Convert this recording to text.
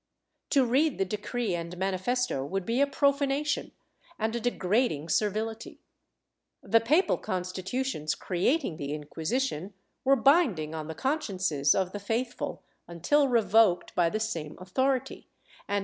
To read the decree and manifesto would be a profanation and a degrading servility. The papal constitutions creating the Inquisition were binding on the con sciences of the faithful, until revoked by the same authority, and _ Discusion del Proyecto, pp.